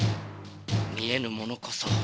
見えぬものこそ。